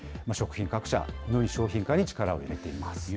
食品各社、より商品化に力を入れています。